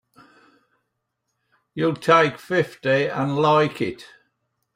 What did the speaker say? You'll take fifty and like it!